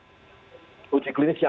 jadi ini juga harus diperhatikan